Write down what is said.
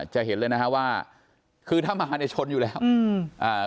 จะเห็นเลยนะฮะว่าคือถ้ามาเนี่ยชนอยู่แล้วอืมอ่า